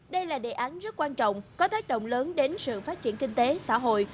đây là đề án rất quan trọng có tác động lớn đến sự phát triển kinh tế xã hội